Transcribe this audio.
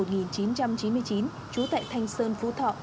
trú tại thanh sơn phú thọ